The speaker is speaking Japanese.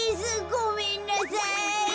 ごめんなさい。